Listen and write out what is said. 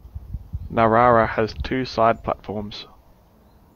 Narara has two side platforms.